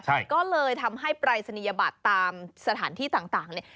ใช่ก็เลยทำให้ปรายศนียบัตรตามสถานที่ต่างต่างเนี่ย